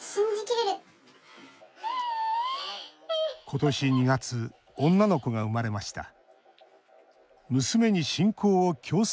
今年２月女の子が生まれました。